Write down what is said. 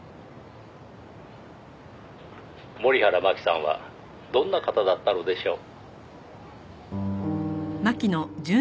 「森原真希さんはどんな方だったのでしょう？」